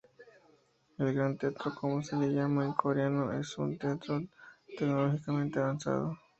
El Gran Teatro como se le llama en coreano, es un teatro tecnológicamente avanzado.